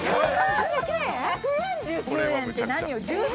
１４９円って何よ。